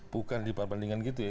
bukan diperbandingkan gitu ya